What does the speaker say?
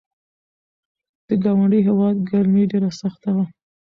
د ګاونډي هیواد ګرمي ډېره سخته وه.